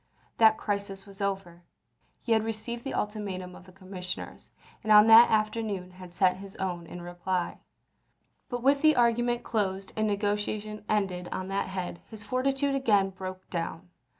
That crisis was over; he had received the ultimatum of the commissioners, and on that afternoon had sent his own in reply. But with the argument closed and negotiation ended on that head, his fortitude again broke down.